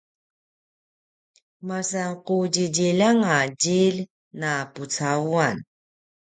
masan qudjidjilj anga djilj na pucauan